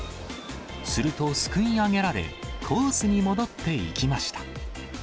すると、すくい上げられ、コースに戻っていきました。